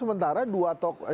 sementara dua tokoh